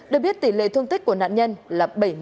được biết tỷ lệ thương tích của nạn nhân là bảy mươi